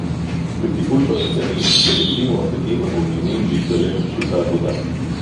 בטיפול פרטני בבלתי מועסקים המעוניינים להשתלב בשוק העבודה